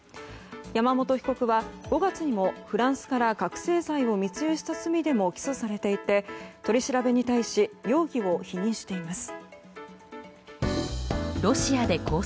山本被告は５月にもフランスから覚醒剤を密輸した罪でも起訴されていて取り調べに対し容疑を否認しています。